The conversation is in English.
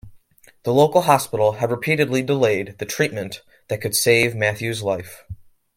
The local hospital had repeatedly delayed the treatment that could save Matthew's life.